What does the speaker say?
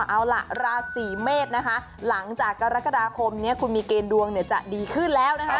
อ้าวละราศีมีธหลังจากกรกฎาคมคุณมีเกรงดวงจะดีขึ้นแล้ว